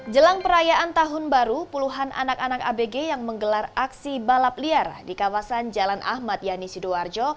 jelang perayaan tahun baru puluhan anak anak abg yang menggelar aksi balap liar di kawasan jalan ahmad yani sidoarjo